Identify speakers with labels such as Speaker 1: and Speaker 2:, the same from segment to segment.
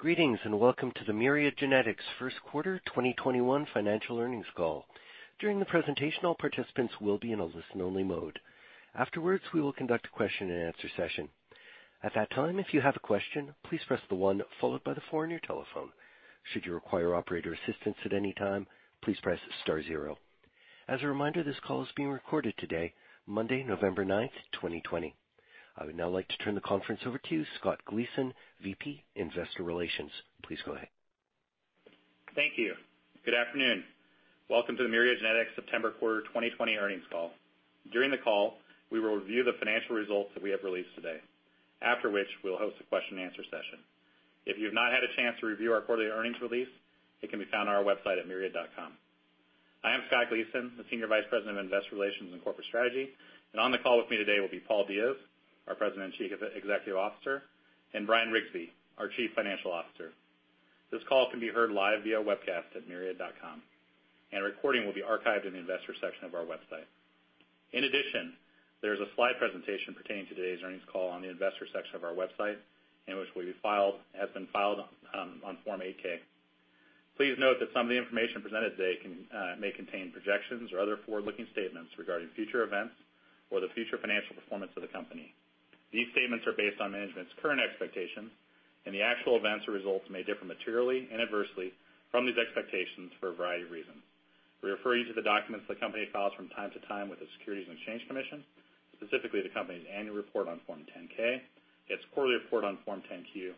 Speaker 1: Greetings, and welcome to the Myriad Genetics first quarter 2021 financial earnings call. As a reminder, this call is being recorded today, Monday, November 9th, 2020. I would now like to turn the conference over to Scott Gleason, VP, Investor Relations. Please go ahead.
Speaker 2: Thank you. Good afternoon. Welcome to the Myriad Genetics September quarter 2020 earnings call. During the call, we will review the financial results that we have released today, after which we'll host a question-and-answer session. If you've not had a chance to review our quarterly earnings release, it can be found on our website at myriad.com. I am Scott Gleason, the Senior Vice President of Investor Relations and Corporate Strategy, and on the call with me today will be Paul Diaz, our President and Chief Executive Officer, and Bryan Riggsbee, our Chief Financial Officer. This call can be heard live via webcast at myriad.com, and a recording will be archived in the Investors section of our website. In addition, there is a slide presentation pertaining to today's earnings call on the Investors section of our website, and which has been filed on Form 8-K. Please note that some of the information presented today may contain projections or other forward-looking statements regarding future events or the future financial performance of the company. These statements are based on management's current expectations, and the actual events or results may differ materially and adversely from these expectations for a variety of reasons. We refer you to the documents the company files from time to time with the Securities and Exchange Commission, specifically the company's annual report on Form 10-K, its quarterly report on Form 10-Q,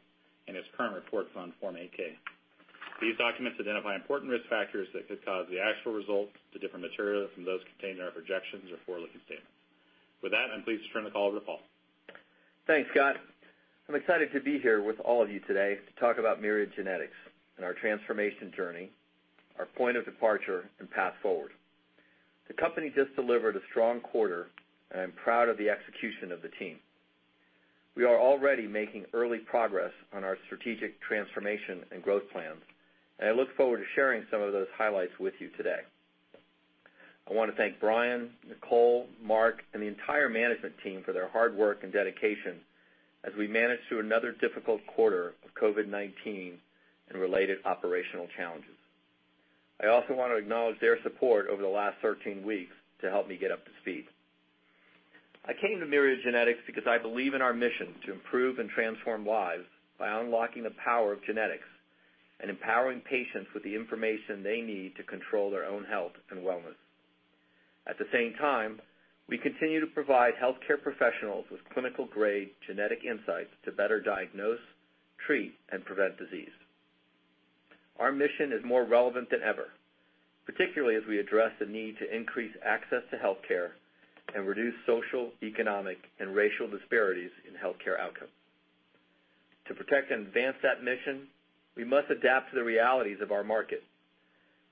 Speaker 2: and its current reports on Form 8-K. These documents identify important risk factors that could cause the actual results to differ materially from those contained in our projections or forward-looking statements. With that, I'm pleased to turn the call over to Paul.
Speaker 3: Thanks, Scott. I'm excited to be here with all of you today to talk about Myriad Genetics and our transformation journey, our point of departure, and path forward. The company just delivered a strong quarter, and I'm proud of the execution of the team. We are already making early progress on our strategic transformation and growth plans, and I look forward to sharing some of those highlights with you today. I want to thank Bryan, Nicole, Mark, and the entire management team for their hard work and dedication as we manage through another difficult quarter of COVID-19 and related operational challenges. I also want to acknowledge their support over the last 13 weeks to help me get up to speed. I came to Myriad Genetics because I believe in our mission to improve and transform lives by unlocking the power of genetics and empowering patients with the information they need to control their own health and wellness. At the same time, we continue to provide healthcare professionals with clinical grade genetic insights to better diagnose, treat, and prevent disease. Our mission is more relevant than ever, particularly as we address the need to increase access to healthcare and reduce social, economic, and racial disparities in healthcare outcomes. To protect and advance that mission, we must adapt to the realities of our market.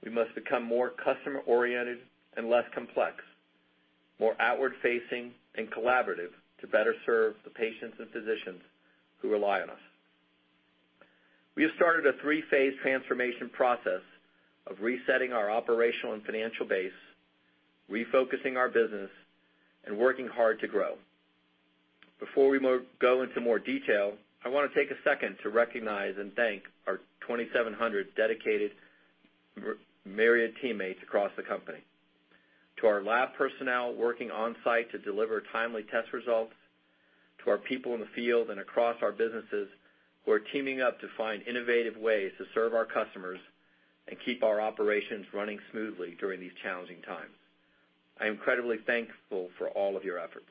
Speaker 3: We must become more customer-oriented and less complex, more outward-facing and collaborative to better serve the patients and physicians who rely on us. We have started a three-phase transformation process of resetting our operational and financial base, refocusing our business, and working hard to grow. Before we go into more detail, I want to take a second to recognize and thank our 2,700 dedicated Myriad teammates across the company. To our lab personnel working on-site to deliver timely test results, to our people in the field and across our businesses who are teaming up to find innovative ways to serve our customers and keep our operations running smoothly during these challenging times, I am incredibly thankful for all of your efforts.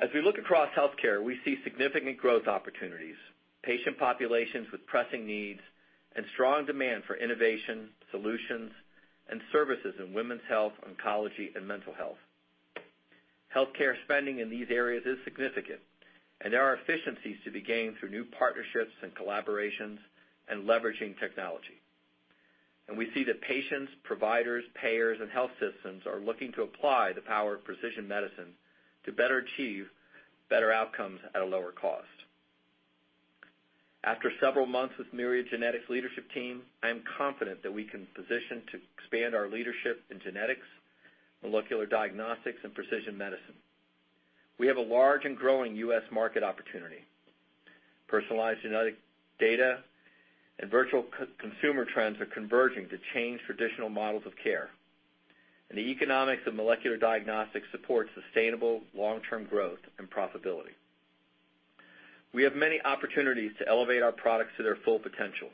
Speaker 3: As we look across healthcare, we see significant growth opportunities, patient populations with pressing needs, and strong demand for innovation, solutions, and services in women's health, oncology, and mental health. Healthcare spending in these areas is significant, and there are efficiencies to be gained through new partnerships and collaborations and leveraging technology. We see that patients, providers, payers, and health systems are looking to apply the power of precision medicine to better achieve better outcomes at a lower cost. After several months with Myriad Genetics' leadership team, I am confident that we can position to expand our leadership in genetics, molecular diagnostics, and precision medicine. We have a large and growing U.S. market opportunity. Personalized genetic data and virtual consumer trends are converging to change traditional models of care, and the economics of molecular diagnostics support sustainable long-term growth and profitability. We have many opportunities to elevate our products to their full potential.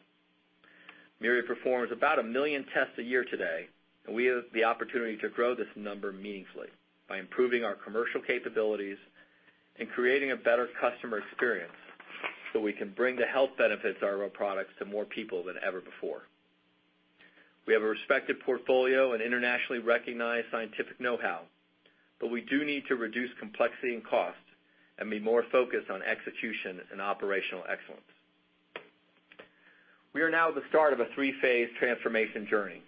Speaker 3: Myriad performs about a million tests a year today, and we have the opportunity to grow this number meaningfully by improving our commercial capabilities and creating a better customer experience so we can bring the health benefits of our products to more people than ever before. We have a respected portfolio and internationally recognized scientific know-how. We do need to reduce complexity and cost and be more focused on execution and operational excellence. We are now at the start of a three-phase transformation journey.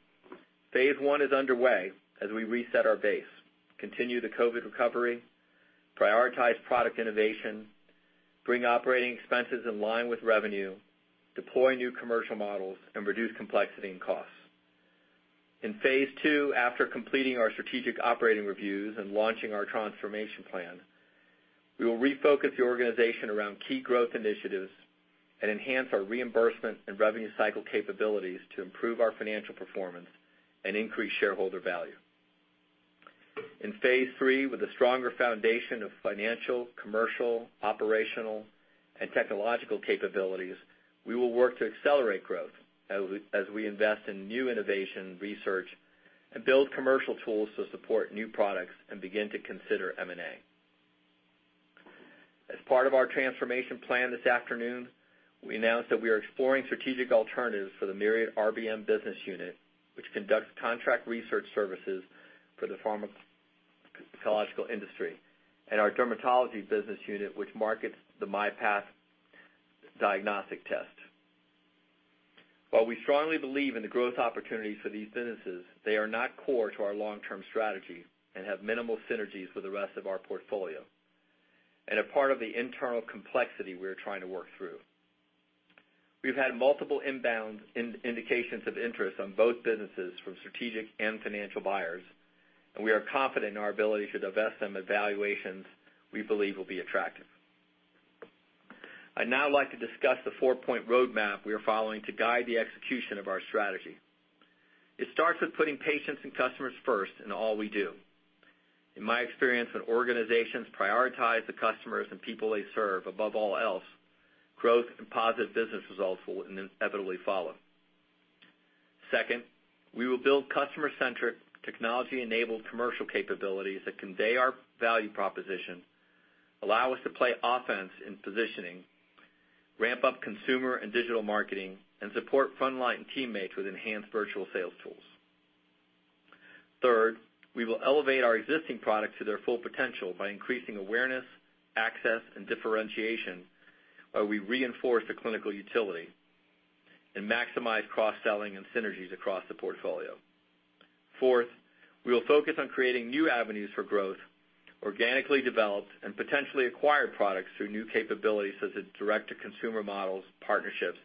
Speaker 3: Phase I is underway as we reset our base, continue the COVID recovery, prioritize product innovation, bring operating expenses in line with revenue, deploy new commercial models, and reduce complexity and cost. In phase II, after completing our strategic operating reviews and launching our transformation plan, we will refocus the organization around key growth initiatives and enhance our reimbursement and revenue cycle capabilities to improve our financial performance and increase shareholder value. In phase III, with a stronger foundation of financial, commercial, operational, and technological capabilities, we will work to accelerate growth as we invest in new innovation, research, and build commercial tools to support new products and begin to consider M&A. As part of our transformation plan this afternoon, we announced that we are exploring strategic alternatives for the Myriad RBM business unit, which conducts contract research services for the pharmacological industry, and our Dermatology business unit, which markets the myPath diagnostic test. While we strongly believe in the growth opportunities for these businesses, they are not core to our long-term strategy and have minimal synergies with the rest of our portfolio and are part of the internal complexity we are trying to work through. We've had multiple inbound indications of interest on both businesses from strategic and financial buyers, and we are confident in our ability to divest them at valuations we believe will be attractive. I'd now like to discuss the four-point roadmap we are following to guide the execution of our strategy. It starts with putting patients and customers first in all we do. In my experience, when organizations prioritize the customers and people they serve above all else, growth and positive business results will inevitably follow. Second, we will build customer-centric, technology-enabled commercial capabilities that convey our value proposition, allow us to play offense in positioning, ramp up consumer and digital marketing, and support frontline teammates with enhanced virtual sales tools. Third, we will elevate our existing products to their full potential by increasing awareness, access, and differentiation while we reinforce the clinical utility and maximize cross-selling and synergies across the portfolio. Fourth, we will focus on creating new avenues for growth, organically developed and potentially acquired products through new capabilities such as direct-to-consumer models, partnerships,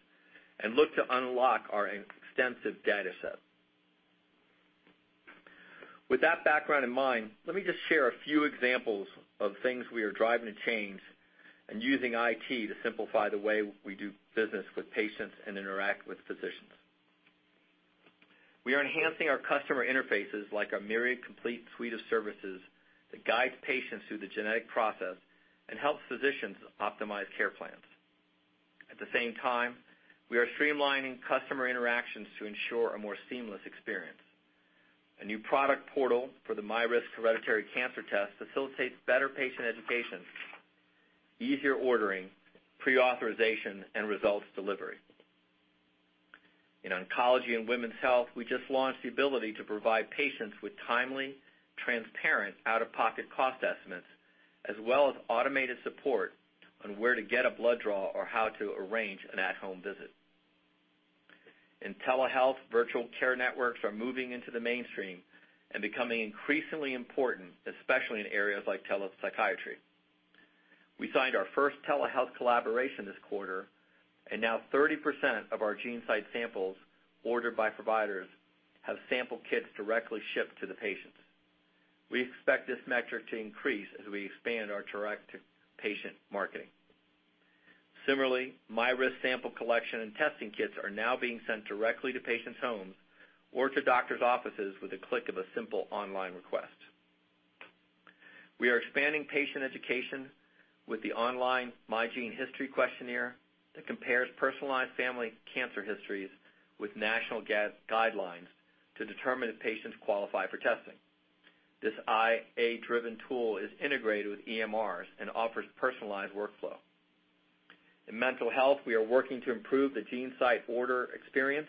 Speaker 3: and look to unlock our extensive data set. With that background in mind, let me just share a few examples of things we are driving to change and using IT to simplify the way we do business with patients and interact with physicians. We are enhancing our customer interfaces like our Myriad Complete suite of services that guides patients through the genetic process and helps physicians optimize care plans. At the same time, we are streamlining customer interactions to ensure a more seamless experience. A new product portal for the myRisk Hereditary Cancer Test facilitates better patient education, easier ordering, pre-authorization, and results delivery. In oncology and women's health, we just launched the ability to provide patients with timely, transparent out-of-pocket cost estimates, as well as automated support on where to get a blood draw or how to arrange an at-home visit. In telehealth, virtual care networks are moving into the mainstream and becoming increasingly important, especially in areas like telepsychiatry. We signed our first telehealth collaboration this quarter, and now 30% of our GeneSight samples ordered by providers have sample kits directly shipped to the patients. We expect this metric to increase as we expand our direct-to-patient marketing. Similarly, myRisk sample collection and testing kits are now being sent directly to patients' homes or to doctors' offices with a click of a simple online request. We are expanding patient education with the online MyGeneHistory questionnaire that compares personalized family cancer histories with national guidelines to determine if patients qualify for testing. This AI-driven tool is integrated with EMRs and offers personalized workflow. In mental health, we are working to improve the GeneSight order experience.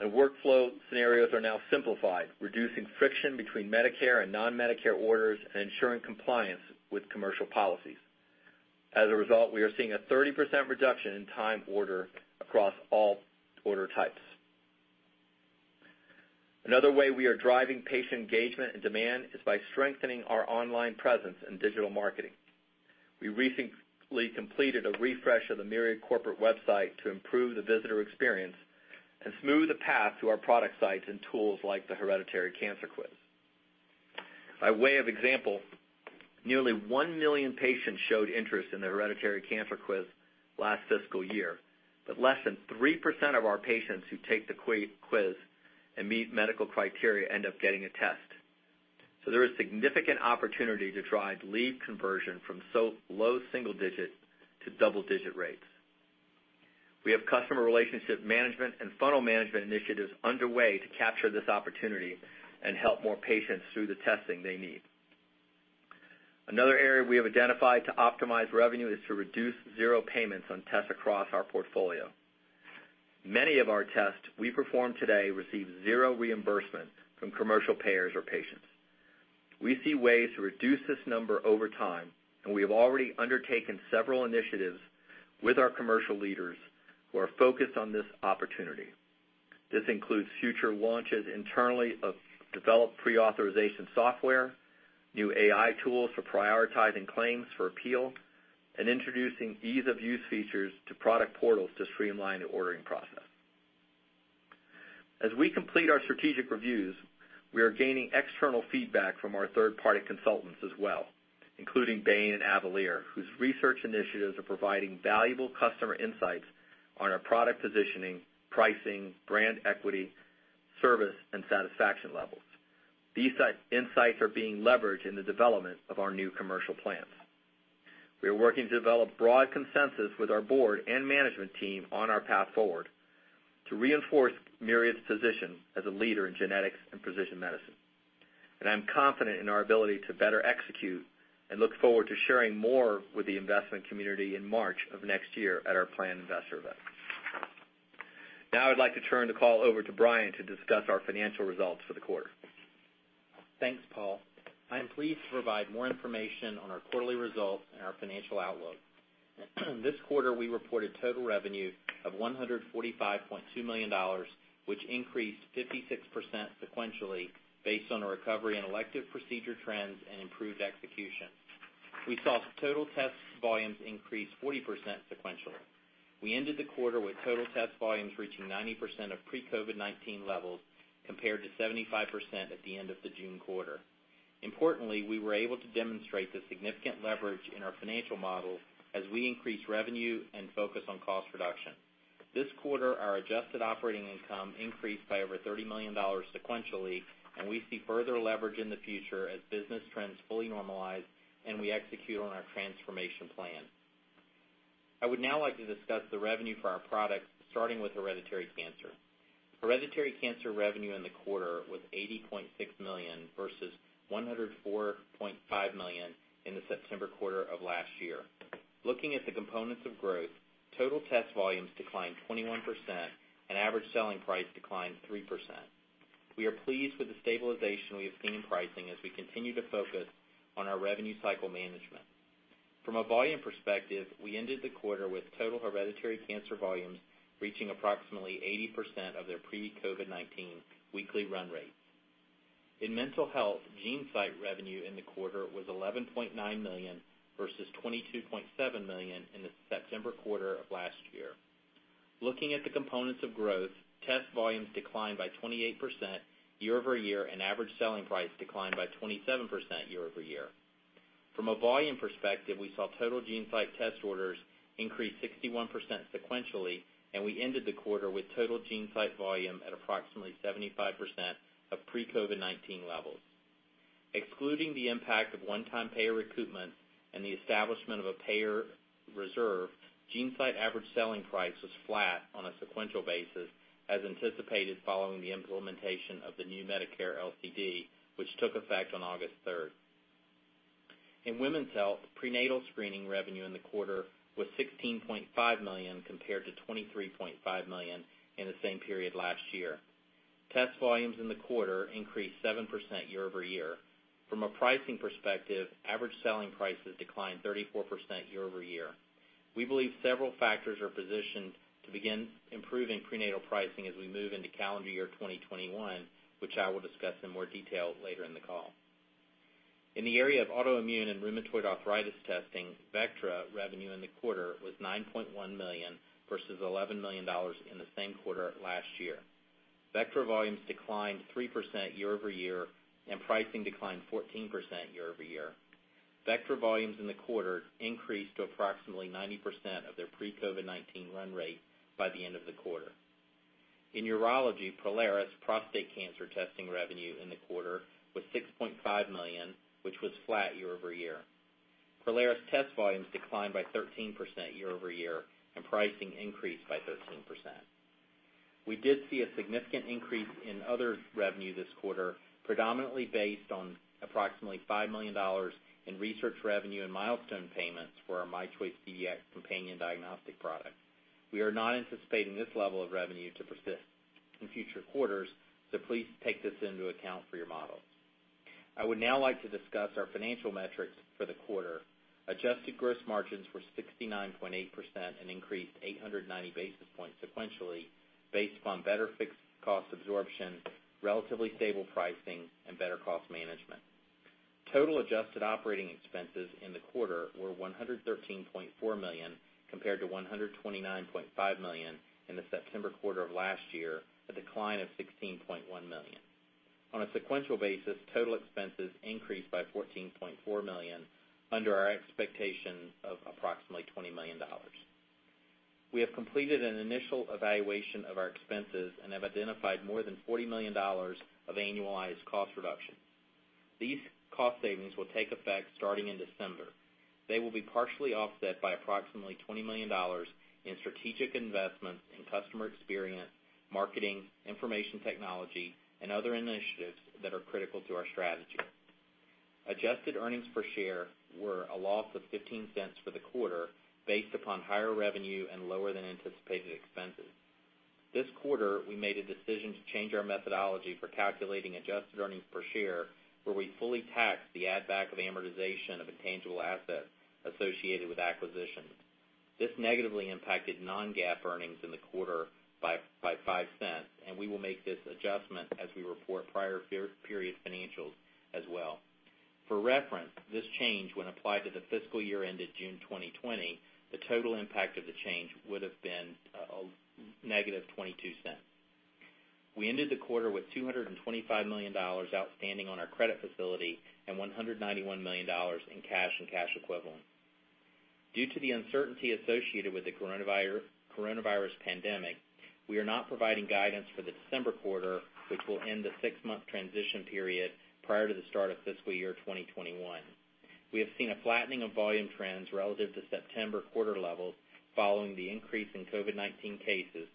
Speaker 3: Workflow scenarios are now simplified, reducing friction between Medicare and non-Medicare orders and ensuring compliance with commercial policies. As a result, we are seeing a 30% reduction in time order across all order types. Another way we are driving patient engagement and demand is by strengthening our online presence in digital marketing. We recently completed a refresh of the Myriad corporate website to improve the visitor experience and smooth the path to our product sites and tools like the Hereditary Cancer Quiz. By way of example, nearly 1 million patients showed interest in the Hereditary Cancer Quiz last fiscal year. Less than 3% of our patients who take the quiz and meet medical criteria end up getting a test. There is significant opportunity to drive lead conversion from low double single digit to double digit rates. We have customer relationship management and funnel management initiatives underway to capture this opportunity and help more patients through the testing they need. Another area we have identified to optimize revenue is to reduce zero payments on tests across our portfolio. Many of our tests we perform today receive zero reimbursement from commercial payers or patients. We see ways to reduce this number over time, and we have already undertaken several initiatives with our commercial leaders who are focused on this opportunity. This includes future launches internally of developed pre-authorization software, new AI tools for prioritizing claims for appeal, and introducing ease-of-use features to product portals to streamline the ordering process. As we complete our strategic reviews, we are gaining external feedback from our third-party consultants as well, including Bain and Avalere, whose research initiatives are providing valuable customer insights on our product positioning, pricing, brand equity, service, and satisfaction levels. These insights are being leveraged in the development of our new commercial plans. We are working to develop broad consensus with our board and management team on our path forward to reinforce Myriad's position as a leader in genetics and precision medicine. I'm confident in our ability to better execute, and look forward to sharing more with the investment community in March of next year at our planned investor event. I'd like to turn the call over to Bryan to discuss our financial results for the quarter.
Speaker 4: Thanks, Paul. I am pleased to provide more information on our quarterly results and our financial outlook. This quarter, we reported total revenue of $145.2 million, which increased 56% sequentially based on a recovery in elective procedure trends and improved execution. We saw total test volumes increase 40% sequentially. We ended the quarter with total test volumes reaching 90% of pre-COVID-19 levels, compared to 75% at the end of the June quarter. Importantly, we were able to demonstrate the significant leverage in our financial model as we increase revenue and focus on cost reduction. This quarter, our adjusted operating income increased by over $30 million sequentially, and we see further leverage in the future as business trends fully normalize and we execute on our transformation plan. I would now like to discuss the revenue for our products, starting with hereditary cancer. Hereditary Cancer revenue in the quarter was $80.6 million, versus $104.5 million in the September quarter of last year. Looking at the components of growth, total test volumes declined 21% and average selling price declined 3%. We are pleased with the stabilization we have seen in pricing as we continue to focus on our revenue cycle management. From a volume perspective, we ended the quarter with total Hereditary Cancer volumes reaching approximately 80% of their pre-COVID-19 weekly run rates. In mental health, GeneSight revenue in the quarter was $11.9 million, versus $22.7 million in the September quarter of last year. Looking at the components of growth, test volumes declined by 28% year-over-year, and average selling price declined by 27% year-over-year. From a volume perspective, we saw total GeneSight test orders increase 61% sequentially, and we ended the quarter with total GeneSight volume at approximately 75% of pre-COVID-19 levels. Excluding the impact of one-time payer recoupment and the establishment of a payer reserve, GeneSight average selling price was flat on a sequential basis, as anticipated following the implementation of the new Medicare LCD, which took effect on August 3rd. In women's health, prenatal screening revenue in the quarter was $16.5 million, compared to $23.5 million in the same period last year. Test volumes in the quarter increased 7% year-over-year. From a pricing perspective, average selling prices declined 34% year-over-year. We believe several factors are positioned to begin improving prenatal pricing as we move into calendar year 2021, which I will discuss in more detail later in the call. In the area of autoimmune and rheumatoid arthritis testing, Vectra revenue in the quarter was $9.1 million, versus $11 million in the same quarter last year. Vectra volumes declined 3% year-over-year, and pricing declined 14% year-over-year. Vectra volumes in the quarter increased to approximately 90% of their pre-COVID-19 run rate by the end of the quarter. In urology, Prolaris prostate cancer testing revenue in the quarter was $6.5 million, which was flat year-over-year. Prolaris test volumes declined by 13% year-over-year, and pricing increased by 13%. We did see a significant increase in other revenue this quarter, predominantly based on approximately $5 million in research revenue and milestone payments for our myChoice CDx companion diagnostic product. We are not anticipating this level of revenue to persist in future quarters, so please take this into account for your models. I would now like to discuss our financial metrics for the quarter. Adjusted gross margins were 69.8% and increased 890 basis points sequentially, based upon better fixed cost absorption, relatively stable pricing, and better cost management. Total adjusted operating expenses in the quarter were $113.4 million, compared to $129.5 million in the September quarter of last year, a decline of $16.1 million. On a sequential basis, total expenses increased by $14.4 million under our expectation of approximately $20 million. We have completed an initial evaluation of our expenses and have identified more than $40 million of annualized cost reductions. These cost savings will take effect starting in December. They will be partially offset by approximately $20 million in strategic investments in customer experience, marketing, information technology, and other initiatives that are critical to our strategy. Adjusted earnings per share were a loss of $0.15 for the quarter, based upon higher revenue and lower than anticipated expenses. This quarter, we made a decision to change our methodology for calculating adjusted earnings per share, where we fully taxed the add-back of amortization of intangible assets associated with acquisitions. This negatively impacted non-GAAP earnings in the quarter by $0.05, and we will make this adjustment as we report prior period financials as well. For reference, this change, when applied to the fiscal year ended June 2020, the total impact of the change would've been -$0.22. We ended the quarter with $225 million outstanding on our credit facility and $191 million in cash and cash equivalents. Due to the uncertainty associated with the coronavirus pandemic, we are not providing guidance for the December quarter, which will end the six-month transition period prior to the start of fiscal year 2021. We have seen a flattening of volume trends relative to September quarter levels following the increase in COVID-19 cases.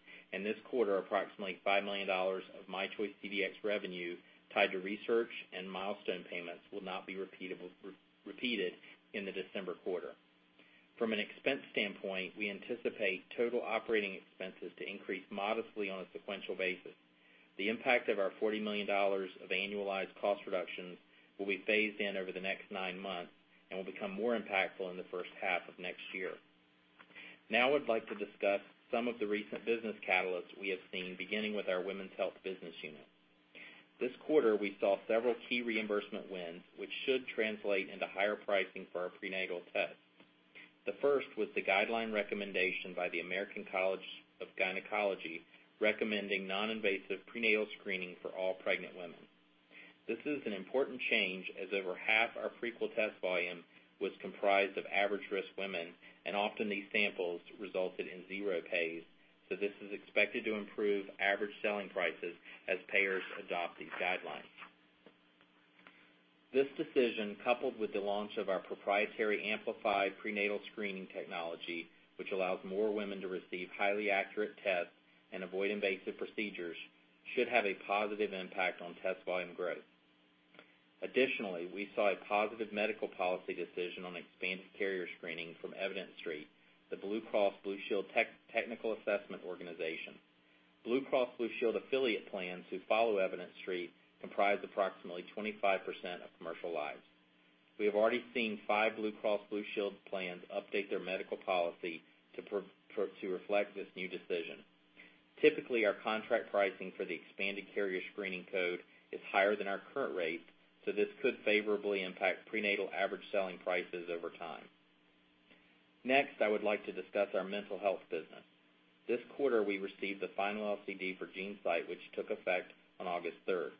Speaker 4: This quarter, approximately $5 million of myChoice CDx revenue tied to research and milestone payments will not be repeated in the December quarter. From an expense standpoint, we anticipate total operating expenses to increase modestly on a sequential basis. The impact of our $40 million of annualized cost reductions will be phased in over the next nine months and will become more impactful in the first half of next year. I'd like to discuss some of the recent business catalysts we have seen, beginning with our women's health business unit. This quarter, we saw several key reimbursement wins, which should translate into higher pricing for our prenatal tests. The first was the guideline recommendation by the American College of Gynecology recommending non-invasive prenatal screening for all pregnant women. This is an important change, as over half our Prequel test volume was comprised of average-risk women, and often these samples resulted in zero pays. This is expected to improve average selling prices as payers adopt these guidelines. This decision, coupled with the launch of our proprietary amplified prenatal screening technology, which allows more women to receive highly accurate tests and avoid invasive procedures, should have a positive impact on test volume growth. Additionally, we saw a positive medical policy decision on expanded carrier screening from Evidence Street, the Blue Cross Blue Shield technical assessment organization. Blue Cross Blue Shield affiliate plans who follow Evidence Street comprise approximately 25% of commercial lives. We have already seen five Blue Cross Blue Shield plans update their medical policy to reflect this new decision. Typically, our contract pricing for the expanded carrier screening code is higher than our current rate, so this could favorably impact prenatal average selling prices over time. I would like to discuss our mental health business. This quarter, we received the final LCD for GeneSight, which took effect on August 3rd.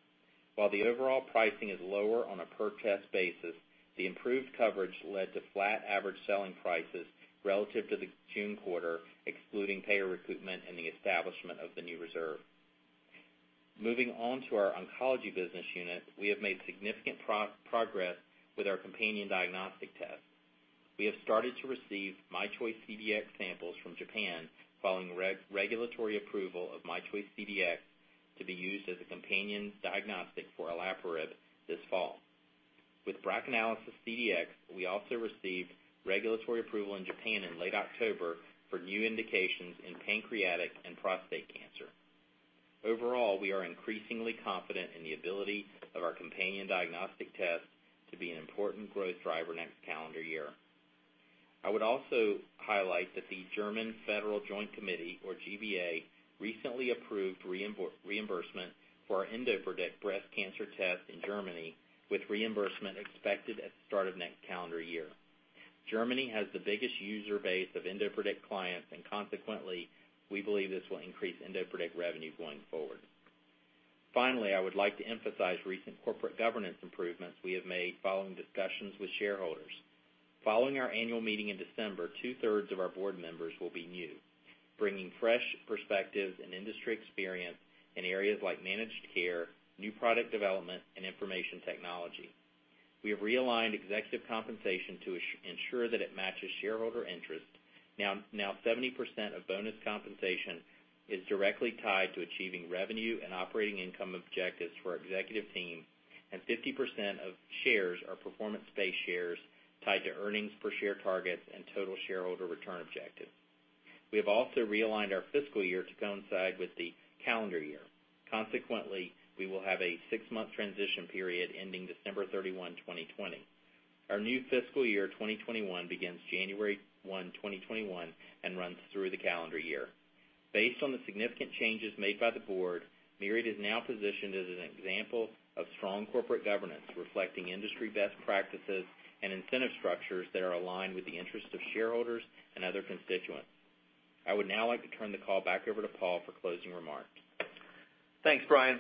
Speaker 4: While the overall pricing is lower on a per-test basis, the improved coverage led to flat average selling prices relative to the June quarter, excluding payer recoupment and the establishment of the new reserve. Moving on to our oncology business unit, we have made significant progress with our companion diagnostic test. We have started to receive myChoice CDx samples from Japan following regulatory approval of myChoice CDx to be used as a companion diagnostic for olaparib this fall. With BRACAnalysis CDx, we also received regulatory approval in Japan in late October for new indications in pancreatic and prostate cancer. Overall, we are increasingly confident in the ability of our companion diagnostic test to be an important growth driver next calendar year. I would also highlight that the German Federal Joint Committee, or GBA, recently approved reimbursement for our EndoPredict breast cancer test in Germany, with reimbursement expected at the start of next calendar year. Germany has the biggest user base of EndoPredict clients. Consequently, we believe this will increase EndoPredict revenue going forward. Finally, I would like to emphasize recent corporate governance improvements we have made following discussions with shareholders. Following our annual meeting in December, two-thirds of our board members will be new, bringing fresh perspectives and industry experience in areas like managed care, new product development, and information technology. We have realigned executive compensation to ensure that it matches shareholder interest. Now 70% of bonus compensation is directly tied to achieving revenue and operating income objectives for our executive team, and 50% of shares are performance-based shares tied to earnings-per-share targets and total shareholder return objectives. We have also realigned our fiscal year to coincide with the calendar year. Consequently, we will have a six-month transition period ending December 31st, 2020. Our new fiscal year 2021 begins January 1st, 2021, and runs through the calendar year. Based on the significant changes made by the board, Myriad is now positioned as an example of strong corporate governance reflecting industry best practices and incentive structures that are aligned with the interests of shareholders and other constituents. I would now like to turn the call back over to Paul for closing remarks.
Speaker 3: Thanks, Bryan.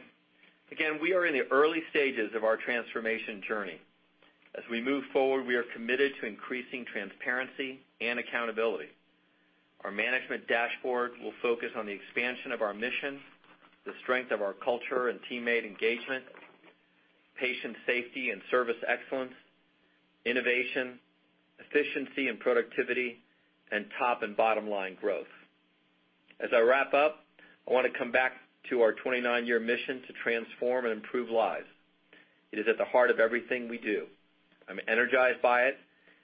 Speaker 3: Again, we are in the early stages of our transformation journey. As we move forward, we are committed to increasing transparency and accountability. Our management dashboard will focus on the expansion of our mission, the strength of our culture and teammate engagement, patient safety and service excellence, innovation, efficiency and productivity, and top and bottom-line growth. As I wrap up, I want to come back to our 29-year mission to transform and improve lives. It is at the heart of everything we do. I'm energized by it,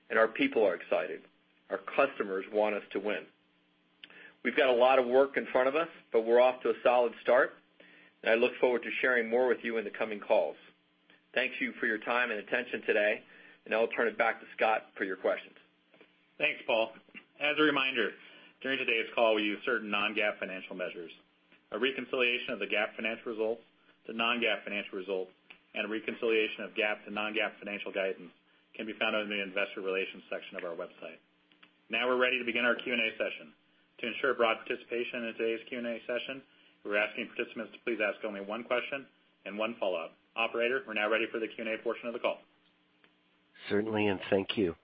Speaker 3: and our people are excited. Our customers want us to win. We've got a lot of work in front of us, but we're off to a solid start, and I look forward to sharing more with you in the coming calls. Thank you for your time and attention today, and I'll turn it back to Scott for your questions.
Speaker 2: Thanks, Paul. As a reminder, during today's call we use certain non-GAAP financial measures. A reconciliation of the GAAP financial results, the non-GAAP financial results, and a reconciliation of GAAP to non-GAAP financial guidance can be found under the Investor Relations section of our website. Now we're ready to begin our Q&A session. To ensure broad participation in today's Q&A session, we're asking participants to please ask only one question and one follow-up. Operator, we're now ready for the Q&A portion of the call.
Speaker 1: Certainly, thank you.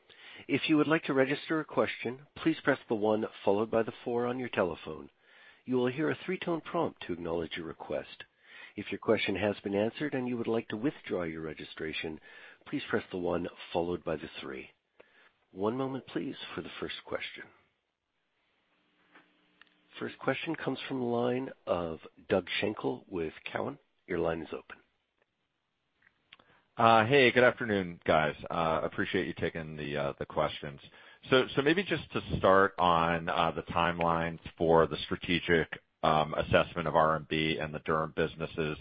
Speaker 1: One moment, please, for the first question. First question comes from the line of Doug Schenkel with Cowen. Your line is open.
Speaker 5: Hey, good afternoon, guys. Appreciate you taking the questions. Maybe just to start on the timelines for the strategic assessment of RBM and the Dermatology businesses,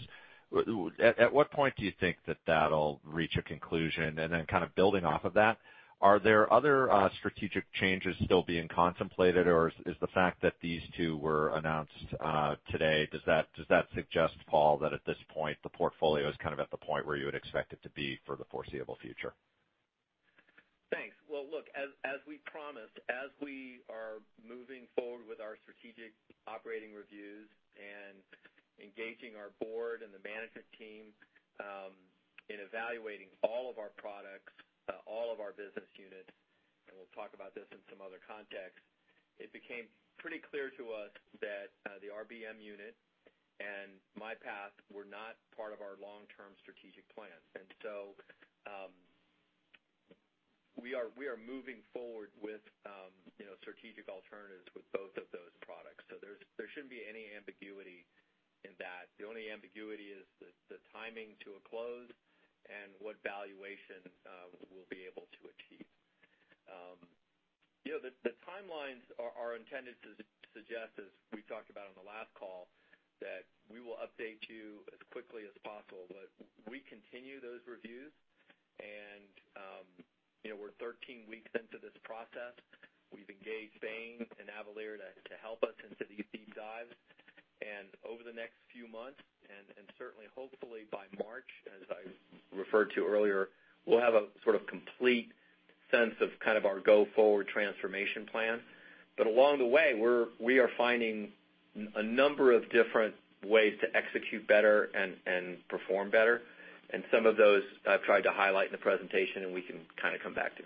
Speaker 5: at what point do you think that that'll reach a conclusion? And then kind of building off of that, are there other strategic changes still being contemplated, or is the fact that these two were announced today, does that suggest, Paul, that at this point the portfolio is at the point where you would expect it to be for the foreseeable future?
Speaker 3: Thanks. Well, look, as we promised, as we are moving forward with our strategic operating reviews and engaging our board and the management team in evaluating all of our products, all of our business units, and we'll talk about this in some other context, it became pretty clear to us that the Myriad RBM unit and myPath Melanoma were not part of our long-term strategic plans. We are moving forward with strategic alternatives with both of those products. There shouldn't be any ambiguity in that. The only ambiguity is the timing to a close and what valuation we'll be able to achieve. The timelines are intended to suggest, as we talked about on the last call, that we will update you as quickly as possible. We continue those reviews, and we're 13 weeks into this process. We've engaged Bain & Company and Avalere Health to help us into these deep dives. Over the next few months, and certainly hopefully by March, as I referred to earlier, we'll have a sort of complete sense of kind of our go-forward transformation plan. Along the way, we are finding a number of different ways to execute better and perform better. Some of those I've tried to highlight in the presentation, and we can come back to.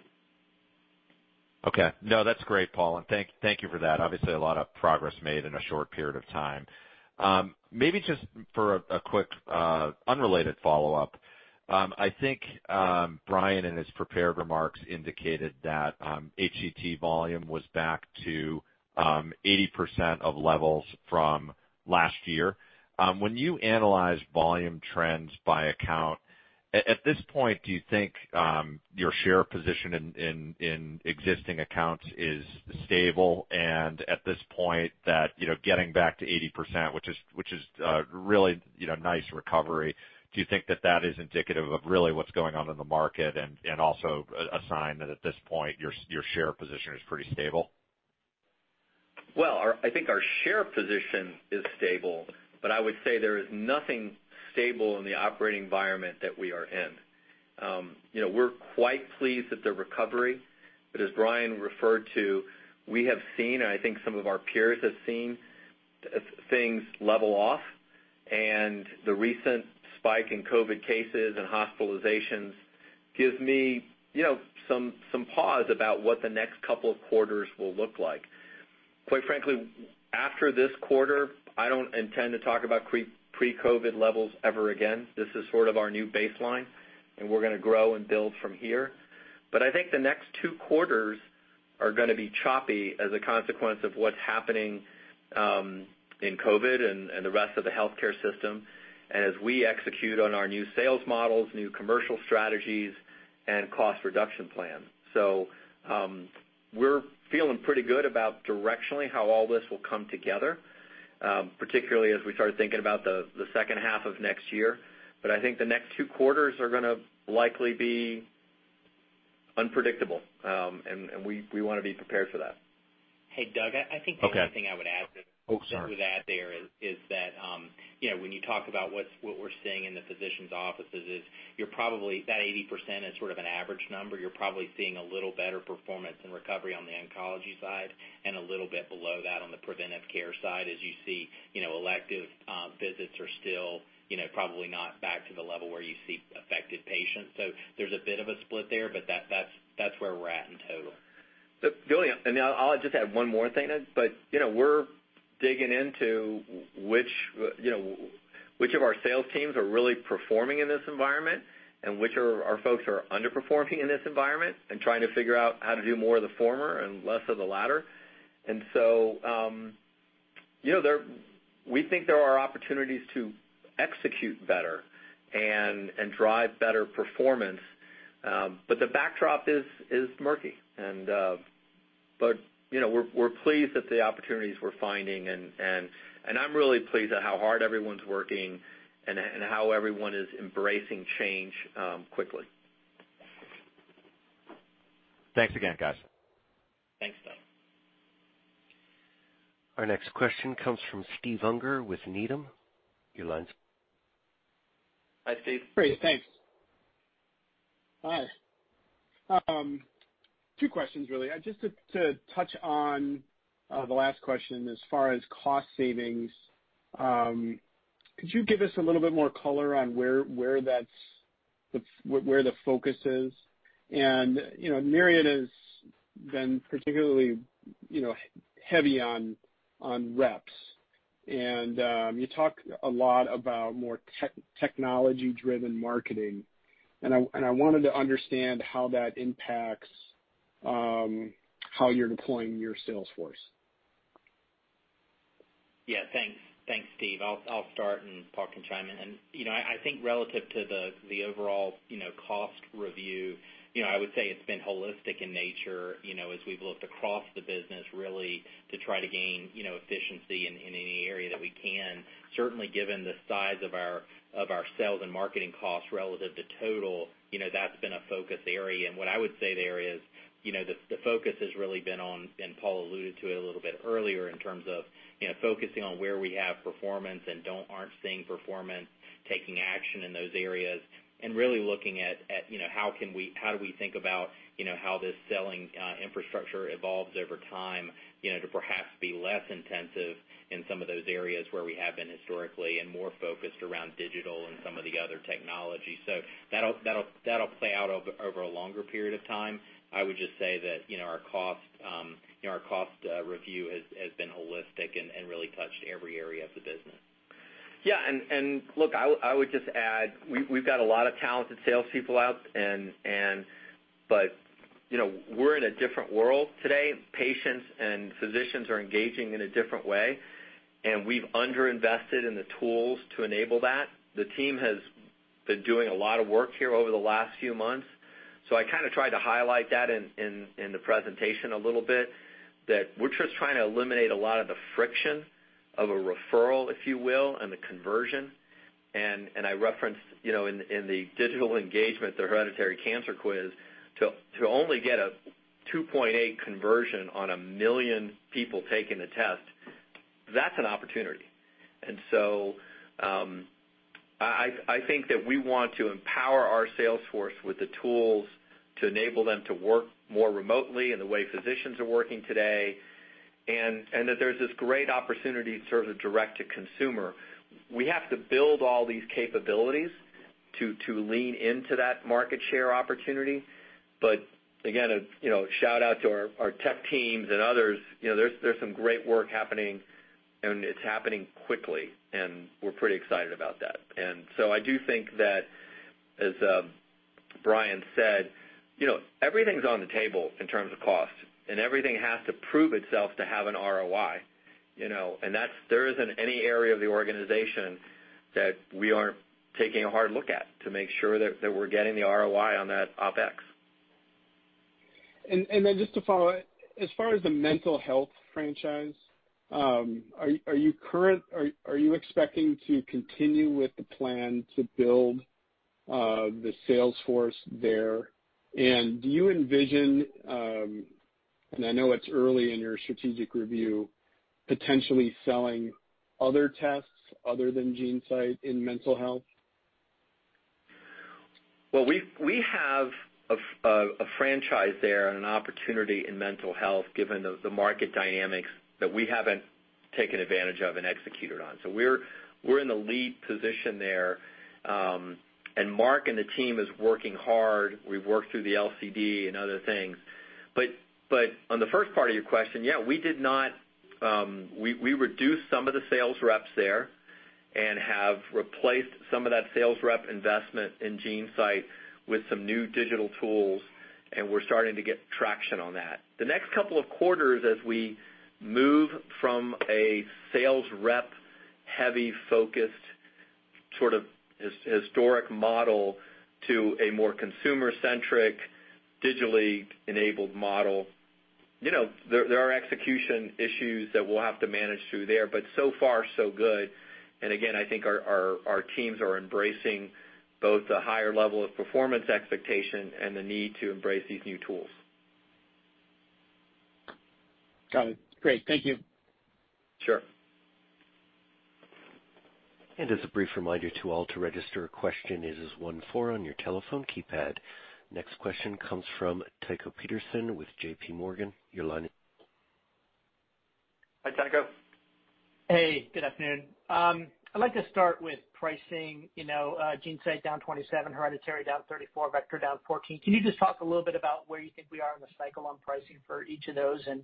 Speaker 5: Okay. No, that's great, Paul. Thank you for that. Obviously, a lot of progress made in a short period of time. Maybe just for a quick unrelated follow-up. I think Bryan, in his prepared remarks, indicated that HET volume was back to 80% of levels from last year. When you analyze volume trends by account, at this point, do you think your share position in existing accounts is stable? At this point that getting back to 80%, which is really nice recovery, do you think that that is indicative of really what's going on in the market and also a sign that at this point your share position is pretty stable?
Speaker 3: Well, I think our share position is stable, but I would say there is nothing stable in the operating environment that we are in. We're quite pleased at the recovery, but as Bryan referred to, we have seen, and I think some of our peers have seen, things level off, and the recent spike in COVID cases and hospitalizations gives me some pause about what the next couple of quarters will look like. Quite frankly, after this quarter, I don't intend to talk about pre-COVID levels ever again. This is sort of our new baseline, and we're going to grow and build from here. I think the next two quarters are going to be choppy as a consequence of what's happening in COVID and the rest of the healthcare system, and as we execute on our new sales models, new commercial strategies, and cost reduction plan. We're feeling pretty good about directionally how all this will come together, particularly as we start thinking about the second half of next year. I think the next two quarters are going to likely be unpredictable, and we want to be prepared for that.
Speaker 4: Hey, Doug, I think the only thing I would add to that there is that when you talk about what we're seeing in the physicians' offices is that 80% is sort of an average number. You're probably seeing a little better performance and recovery on the oncology side and a little bit below that on the preventive care side as you see elective visits are still probably not back to the level where you see affected patients. There's a bit of a split there, but that's where we're at in total.
Speaker 3: Brilliant. I'll just add one more thing to that, we're digging into which of our sales teams are really performing in this environment and which are our folks who are underperforming in this environment and trying to figure out how to do more of the former and less of the latter. We think there are opportunities to execute better and drive better performance, the backdrop is murky. We're pleased with the opportunities we're finding, and I'm really pleased at how hard everyone's working and how everyone is embracing change quickly.
Speaker 5: Thanks again, guys.
Speaker 3: Thanks, Doug.
Speaker 1: Our next question comes from Steve Unger with Needham. Your line is open.
Speaker 3: Hi, Steve.
Speaker 6: Great, thanks. Hi. Two questions, really. Just to touch on the last question as far as cost savings, could you give us a little bit more color on where the focus is? Myriad has been particularly heavy on reps. You talk a lot about more technology-driven marketing. I wanted to understand how that impacts how you're deploying your sales force.
Speaker 4: Yeah. Thanks, Steve. I'll start and Paul can chime in. I think relative to the overall cost review, I would say it's been holistic in nature as we've looked across the business really to try to gain efficiency in any area that we can. Certainly, given the size of our sales and marketing costs relative to total, that's been a focus area. What I would say there is, the focus has really been on, and Paul alluded to it a little bit earlier in terms of focusing on where we have performance and aren't seeing performance, taking action in those areas, and really looking at how do we think about how this selling infrastructure evolves over time to perhaps be less intensive in some of those areas where we have been historically and more focused around digital and some of the other technology. That'll play out over a longer period of time. I would just say that our cost review has been holistic and really touched every area of the business.
Speaker 3: Yeah, look, I would just add, we've got a lot of talented salespeople out, we're in a different world today. Patients and physicians are engaging in a different way, we've under-invested in the tools to enable that. The team has been doing a lot of work here over the last few months. I tried to highlight that in the presentation a little bit, that we're just trying to eliminate a lot of the friction of a referral, if you will, and the conversion. I referenced in the digital engagement, the Hereditary Cancer Quiz, to only get a 2.8 conversion on a million people taking the test, that's an opportunity. I think that we want to empower our sales force with the tools to enable them to work more remotely in the way physicians are working today, and that there's this great opportunity in sort of the direct-to-consumer. We have to build all these capabilities to lean into that market share opportunity. Again, a shout-out to our tech teams and others. There's some great work happening and it's happening quickly, and we're pretty excited about that. I do think that, as Bryan said, everything's on the table in terms of cost, and everything has to prove itself to have an ROI. There isn't any area of the organization that we aren't taking a hard look at to make sure that we're getting the ROI on that OpEx.
Speaker 6: Just to follow, as far as the mental health franchise, are you expecting to continue with the plan to build the sales force there? Do you envision, and I know it's early in your strategic review, potentially selling other tests other than GeneSight in mental health?
Speaker 3: Well, we have a franchise there and an opportunity in mental health given the market dynamics that we haven't taken advantage of and executed on. We're in the lead position there. Mark and the team is working hard. We've worked through the LCD and other things. On the first part of your question, yeah, we reduced some of the sales reps there and have replaced some of that sales rep investment in GeneSight with some new digital tools, and we're starting to get traction on that. The next couple of quarters, as we move from a sales rep heavy focused sort of historic model to a more consumer-centric, digitally enabled model, there are execution issues that we'll have to manage through there, but so far so good. Again, I think our teams are embracing both the higher level of performance expectation and the need to embrace these new tools.
Speaker 6: Got it. Great. Thank you.
Speaker 3: Sure.
Speaker 1: As a brief reminder to all, to register a question it is one four on your telephone keypad. Next question comes from Tycho Peterson with JPMorgan. Your line is open.
Speaker 3: Hi, Tycho.
Speaker 7: Hey, good afternoon. I'd like to start with pricing, GeneSight down 27%, Hereditary down 34%, Vectra down 14%. Can you just talk a little bit about where you think we are in the cycle on pricing for each of those and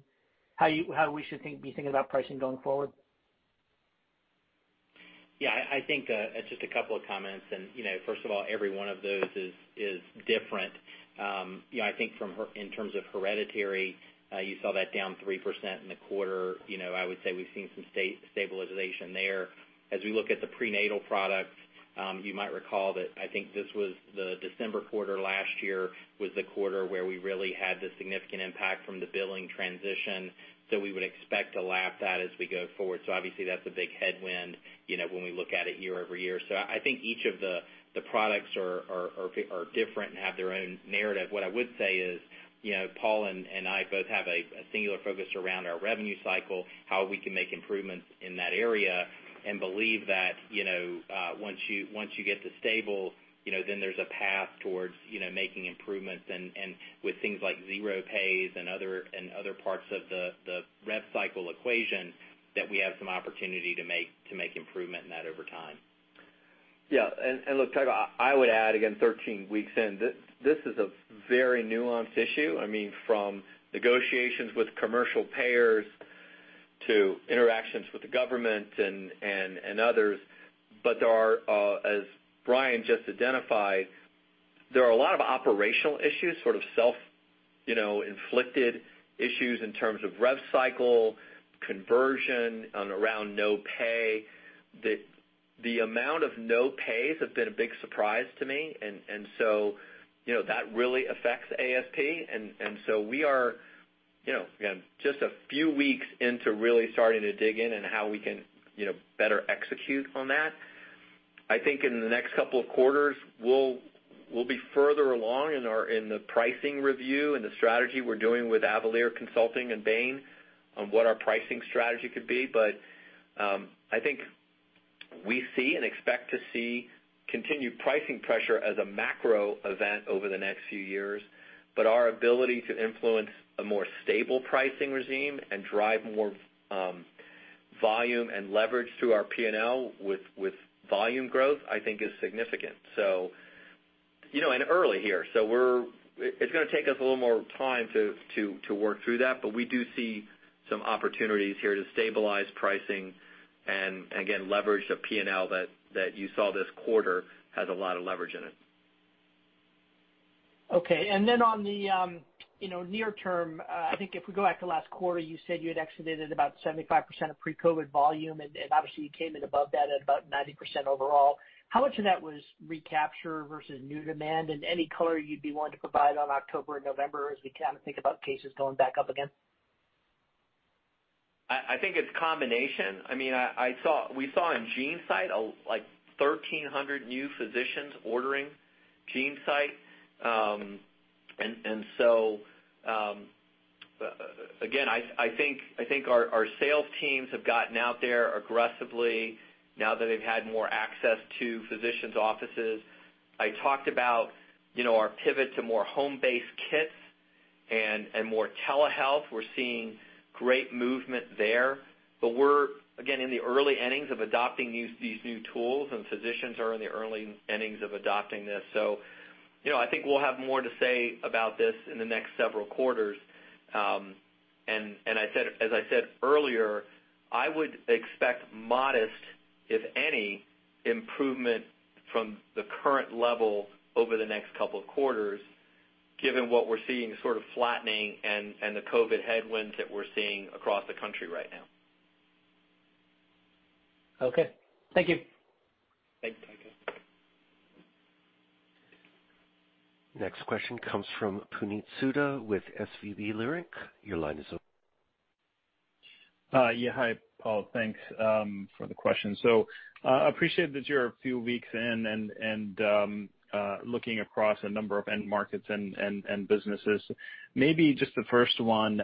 Speaker 7: how we should be thinking about pricing going forward?
Speaker 4: I think just a couple of comments. First of all, every one of those is different. I think in terms of hereditary, you saw that down 3% in the quarter. I would say we've seen some stabilization there. As we look at the prenatal products, you might recall that I think the December quarter last year was the quarter where we really had the significant impact from the billing transition, we would expect to lap that as we go forward. Obviously that's a big headwind when we look at it year-over-year. I think each of the products are different and have their own narrative. What I would say is, Paul and I both have a singular focus around our revenue cycle, how we can make improvements in that area, and believe that once you get to stable, then there's a path towards making improvements and with things like zero pays and other parts of the rev cycle equation, that we have some opportunity to make improvement in that over time.
Speaker 3: Look, Tycho, I would add, again, 13 weeks in, this is a very nuanced issue. From negotiations with commercial payers to interactions with the government and others. As Bryan just identified, there are a lot of operational issues, sort of self-inflicted issues in terms of rev cycle, conversion around no pay. The amount of no pays have been a big surprise to me, that really affects ASP. We are just a few weeks into really starting to dig in and how we can better execute on that. I think in the next couple of quarters, we'll be further along in the pricing review and the strategy we're doing with Avalere and Bain on what our pricing strategy could be. I think we see and expect to see continued pricing pressure as a macro event over the next few years. Our ability to influence a more stable pricing regime and drive more volume and leverage through our P&L with volume growth, I think is significant. Early here. It's going to take us a little more time to work through that, but we do see some opportunities here to stabilize pricing and, again, leverage the P&L that you saw this quarter has a lot of leverage in it.
Speaker 7: Okay. Then on the near term, I think if we go back to last quarter, you said you had exited about 75% of pre-COVID-19 volume, and obviously you came in above that at about 90% overall. How much of that was recapture versus new demand? Any color you'd be willing to provide on October and November as we think about cases going back up again?
Speaker 3: I think it's combination. We saw in GeneSight, 1,300 new physicians ordering GeneSight. Again, I think our sales teams have gotten out there aggressively now that they've had more access to physicians' offices. I talked about our pivot to more home-based kits and more telehealth. We're seeing great movement there. We're, again, in the early innings of adopting these new tools, and physicians are in the early innings of adopting this. I think we'll have more to say about this in the next several quarters. As I said earlier, I would expect modest, if any, improvement from the current level over the next couple of quarters, given what we're seeing sort of flattening and the COVID headwinds that we're seeing across the country right now.
Speaker 7: Okay. Thank you.
Speaker 3: Thanks, Tycho.
Speaker 1: Next question comes from Puneet Souda with SVB Leerink. Your line is open.
Speaker 8: Yeah. Hi, Paul. Thanks for the question. Appreciate that you're a few weeks in and looking across a number of end markets and businesses. Maybe just the first one.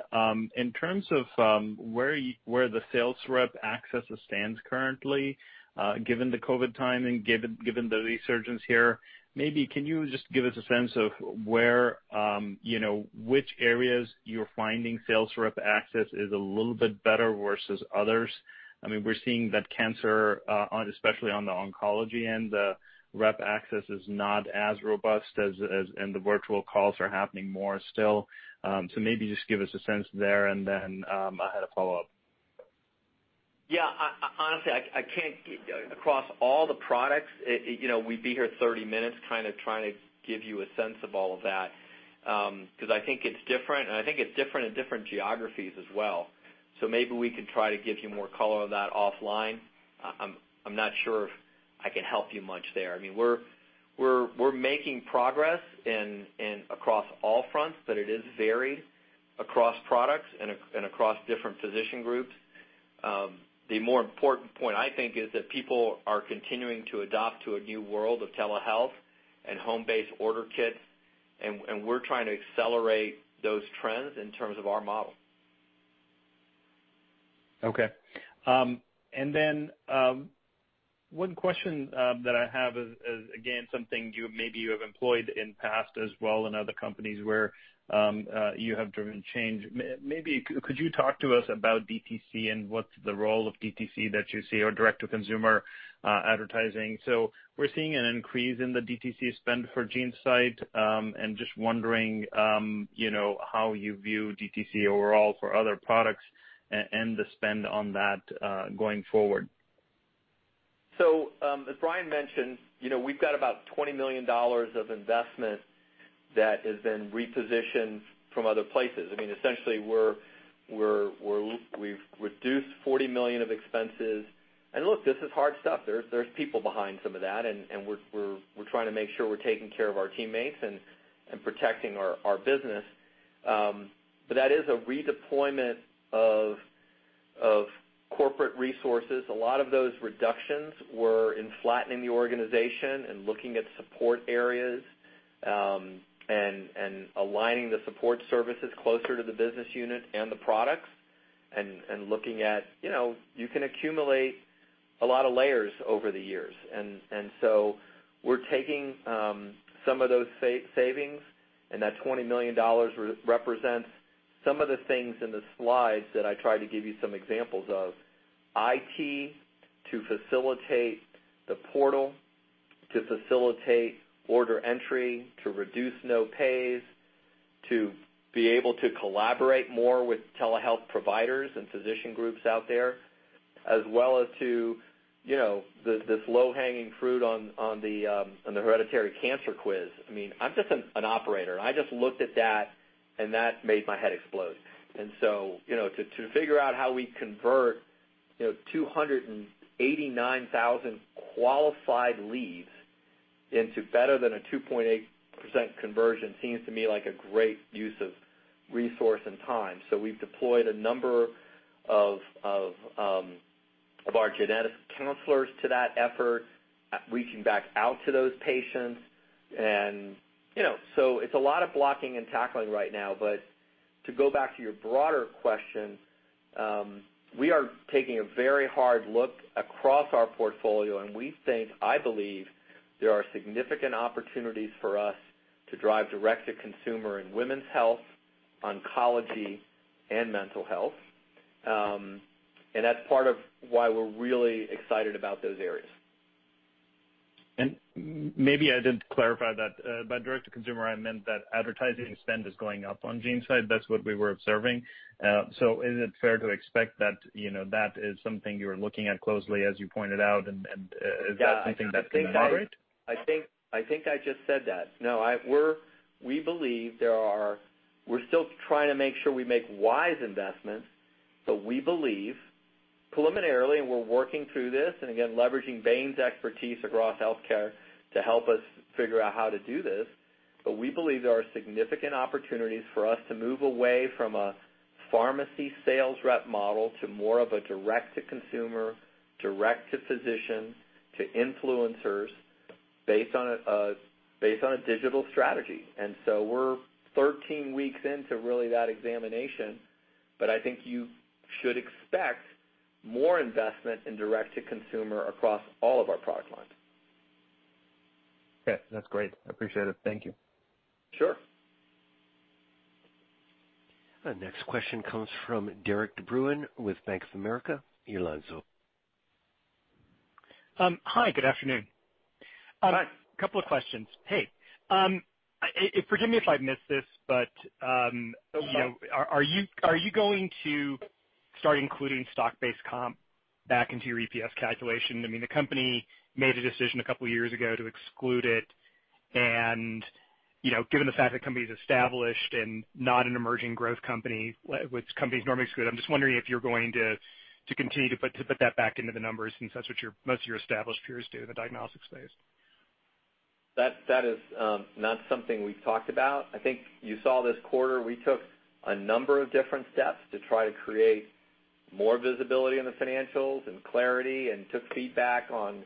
Speaker 8: In terms of where the sales rep accesses stands currently, given the COVID timing, given the resurgence here, maybe can you just give us a sense of which areas you're finding sales rep access is a little bit better versus others? We're seeing that cancer, especially on the oncology end, the rep access is not as robust and the virtual calls are happening more still. Maybe just give us a sense there and then I had a follow-up.
Speaker 3: Yeah. Honestly, across all the products, we'd be here 30 minutes trying to give you a sense of all of that. I think it's different, and I think it's different in different geographies as well. Maybe we could try to give you more color on that offline. I'm not sure if I can help you much there. We're making progress across all fronts, but it is varied across products and across different physician groups. The more important point, I think, is that people are continuing to adopt to a new world of telehealth and home-based order kits, and we're trying to accelerate those trends in terms of our model.
Speaker 8: One question that I have is, again, something maybe you have employed in past as well in other companies where you have driven change. Maybe could you talk to us about DTC and what's the role of DTC that you see or direct to consumer advertising? We're seeing an increase in the DTC spend for GeneSight, and just wondering how you view DTC overall for other products and the spend on that going forward.
Speaker 3: As Bryan mentioned, we've got about $20 million of investment that has been repositioned from other places. Essentially, we've reduced $40 million of expenses. Look, this is hard stuff. There's people behind some of that, and we're trying to make sure we're taking care of our teammates and protecting our business. That is a redeployment of corporate resources. A lot of those reductions were in flattening the organization and looking at support areas, and aligning the support services closer to the business unit and the products. You can accumulate a lot of layers over the years. We're taking some of those savings, and that $20 million represents some of the things in the slides that I tried to give you some examples of. IT to facilitate the portal, to facilitate order entry, to reduce no-pays, to be able to collaborate more with telehealth providers and physician groups out there, as well as to this low-hanging fruit on the Hereditary Cancer Quiz. I'm just an operator. I just looked at that made my head explode. To figure out how we convert 289,000 qualified leads into better than a 2.8% conversion seems to me like a great use of resource and time. We've deployed a number of our genetic counselors to that effort, reaching back out to those patients, it's a lot of blocking and tackling right now. To go back to your broader question, we are taking a very hard look across our portfolio, we think, I believe, there are significant opportunities for us to drive direct-to-consumer in women's health, oncology, and mental health. That's part of why we're really excited about those areas.
Speaker 8: Maybe I didn't clarify that. By direct-to-consumer, I meant that advertising spend is going up on GeneSight. That's what we were observing. Is it fair to expect that is something you're looking at closely, as you pointed out, and is that something that's going to moderate?
Speaker 3: I think I just said that. No, we're still trying to make sure we make wise investments. We believe preliminarily, and we're working through this, and again, leveraging Bain's expertise across healthcare to help us figure out how to do this. We believe there are significant opportunities for us to move away from a pharmacy sales rep model to more of a direct-to-consumer, direct-to-physician, to influencers based on a digital strategy. We're 13 weeks into really that examination, but I think you should expect more investment in direct-to-consumer across all of our product lines.
Speaker 8: Okay. That's great, I appreciate it. Thank you.
Speaker 3: Sure.
Speaker 1: The next question comes from Derik De Bruin with Bank of America. Your line's open.
Speaker 9: Hi, good afternoon.
Speaker 3: Hi.
Speaker 9: A couple of questions. Forgive me if I missed this, are you going to start including stock-based comp back into your EPS calculation? The company made a decision a couple of years ago to exclude it, and given the fact that company's established and not an emerging growth company, which companies normally exclude, I'm just wondering if you're going to continue to put that back into the numbers, since that's what most of your established peers do in the diagnostics space?
Speaker 3: That is not something we've talked about. I think you saw this quarter, we took a number of different steps to try to create more visibility in the financials and clarity, and took feedback on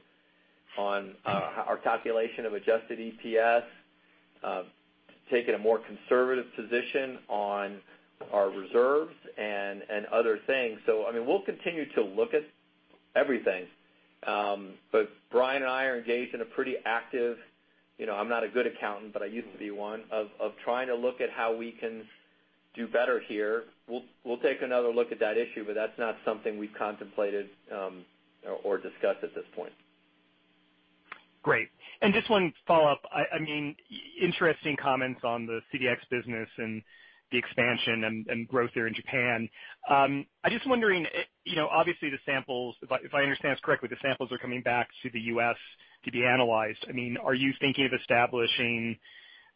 Speaker 3: our calculation of adjusted EPS, taking a more conservative position on our reserves and other things. We'll continue to look at everything. Bryan and I are engaged in a pretty active, I'm not a good accountant, but I used to be one, of trying to look at how we can do better here. We'll take another look at that issue, but that's not something we've contemplated or discussed at this point.
Speaker 9: Great. Just one follow-up. Interesting comments on the CDx business and the expansion and growth there in Japan. I'm just wondering, obviously, the samples, if I understand this correctly, the samples are coming back to the U.S. to be analyzed. Are you thinking of establishing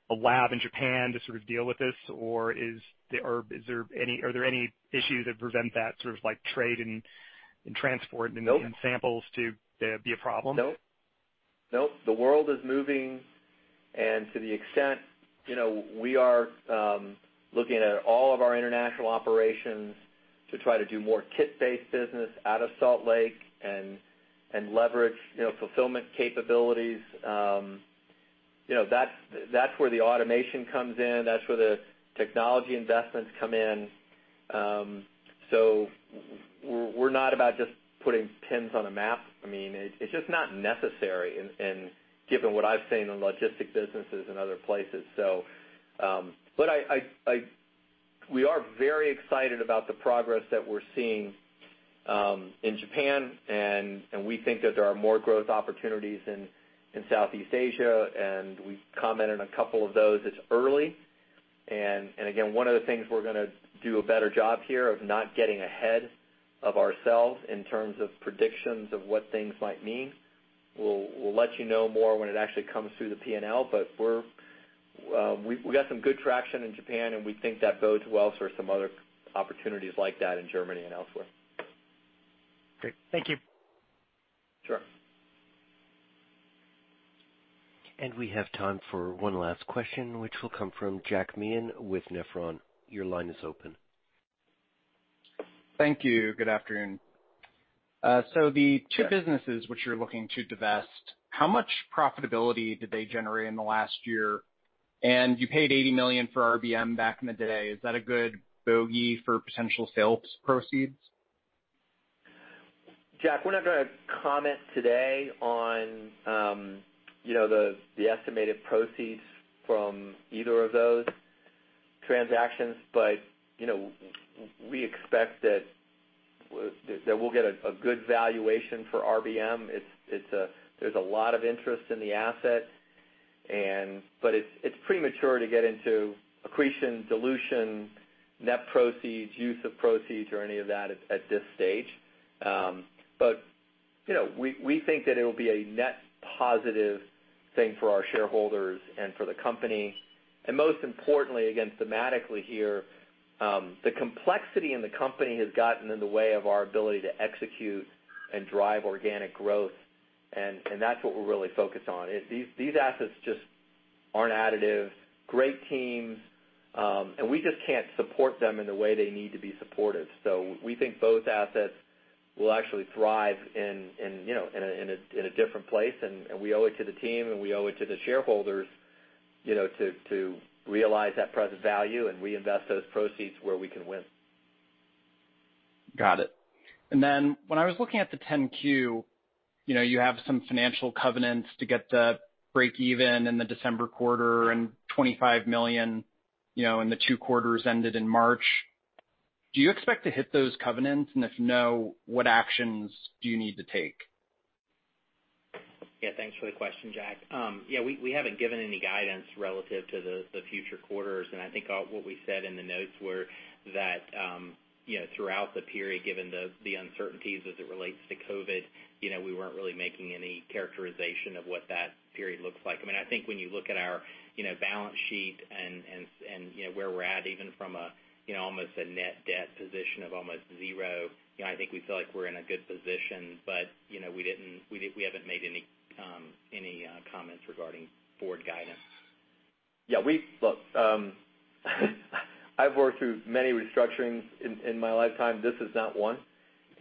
Speaker 9: a lab in Japan to sort of deal with this? Are there any issues that prevent that, sort of trade and transport samples to be a problem?
Speaker 3: No. The world is moving, and to the extent, we are looking at all of our international operations to try to do more kit-based business out of Salt Lake and leverage fulfillment capabilities. That's where the automation comes in, that's where the technology investments come in. We're not about just putting pins on a map. It's just not necessary, and given what I've seen in logistics businesses in other places. We are very excited about the progress that we're seeing in Japan, and we think that there are more growth opportunities in Southeast Asia, and we've commented on a couple of those. It's early. Again, one of the things we're going to do a better job here of not getting ahead of ourselves in terms of predictions of what things might mean. We'll let you know more when it actually comes through the P&L. We've got some good traction in Japan. We think that bodes well for some other opportunities like that in Germany and elsewhere.
Speaker 9: Great, thank you.
Speaker 3: Sure.
Speaker 1: We have time for one last question, which will come from Jack Meehan with Nephron. Your line is open.
Speaker 10: Thank you, good afternoon. The two businesses which you're looking to divest, how much profitability did they generate in the last year? You paid $80 million for RBM back in the day. Is that a good bogey for potential sales proceeds?
Speaker 3: Jack, we're not going to comment today on the estimated proceeds from either of those transactions, but we expect that we'll get a good valuation for RBM. There's a lot of interest in the asset. It's premature to get into accretion, dilution, net proceeds, use of proceeds, or any of that at this stage. We think that it will be a net positive thing for our shareholders and for the company. Most importantly, again, thematically here, the complexity in the company has gotten in the way of our ability to execute and drive organic growth, and that's what we're really focused on. These assets just aren't additive. Great teams, and we just can't support them in the way they need to be supported. We think both assets will actually thrive in a different place, and we owe it to the team, and we owe it to the shareholders to realize that present value and reinvest those proceeds where we can win.
Speaker 10: Got it. When I was looking at the 10-Q, you have some financial covenants to get to breakeven in the December quarter and $25 million in the two quarters ended in March. Do you expect to hit those covenants? If no, what actions do you need to take?
Speaker 4: Yeah. Thanks for the question, Jack. Yeah, we haven't given any guidance relative to the future quarters. I think what we said in the notes were that throughout the period, given the uncertainties as it relates to COVID, we weren't really making any characterization of what that period looks like. I think when you look at our balance sheet and where we're at, even from almost a net debt position of almost zero, I think we feel like we're in a good position. We haven't made any comments regarding forward guidance.
Speaker 3: Yeah. Look, I've worked through many restructurings in my lifetime. This is not one,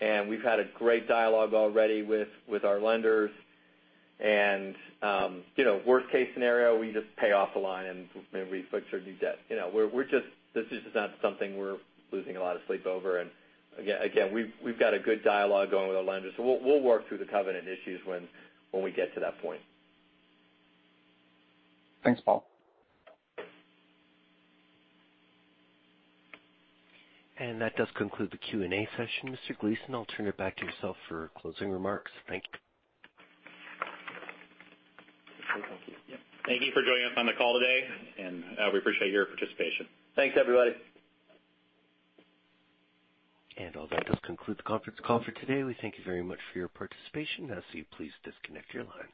Speaker 3: and we've had a great dialogue already with our lenders. Worst-case scenario, we just pay off the line, and we fix our new debt. This is just not something we're losing a lot of sleep over. Again, we've got a good dialogue going with our lenders. We'll work through the covenant issues when we get to that point.
Speaker 10: Thanks, Paul.
Speaker 1: That does conclude the Q&A session. Mr. Gleason, I'll turn it back to yourself for closing remarks. Thank you.
Speaker 2: Thank you for joining us on the call today, and we appreciate your participation.
Speaker 3: Thanks, everybody.
Speaker 1: Although that does conclude the conference call for today, we thank you very much for your participation. I ask that you please disconnect your lines.